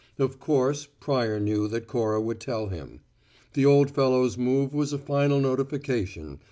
Of course, Pryor knew that Cora would tell him. The old fellow's move was a final notification.